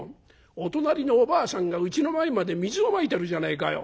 お隣のおばあさんがうちの前まで水をまいてるじゃねえかよ。